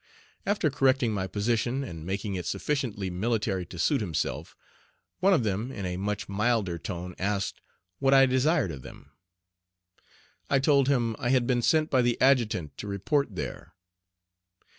After correcting my position and making it sufficiently military to suit himself, one of them, in a much milder tone, asked what I desired of them. I told him I had been sent by the adjutant to report there.